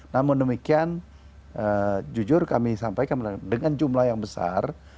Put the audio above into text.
namun demikian jujur kami sampaikan dengan jumlah yang besar